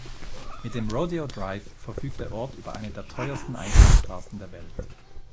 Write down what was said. Mit dem Rodeo Drive verfügt der Ort über eine der teuersten Einkaufsstraßen der Welt.